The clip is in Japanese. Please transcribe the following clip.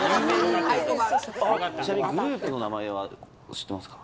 ちなみにグループの名前は知ってますか？